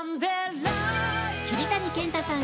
桐谷健太さん